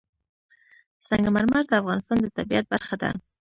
سنگ مرمر د افغانستان د طبیعت برخه ده.